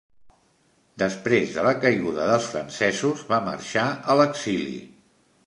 Després de la caiguda dels francesos va marxar a l'exili.